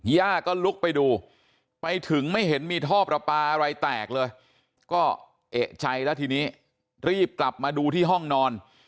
ย่าก็ลุกไปดูไปถึงไม่เห็นมีท่อประปาอะไรแตกเลยก็เอกใจแล้วทีนี้รีบกลับมาดูที่ห้องนอน